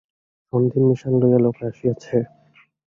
সন্ধির নিশান লইয়া লোক আসিয়াছে।